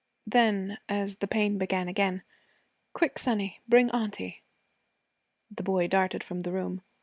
Then as the pain began again, 'Quick, sonny, bring auntie.' The boy darted from the room.